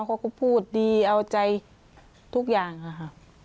เขาก็พูดดีเอาใจทุกอย่างค่ะ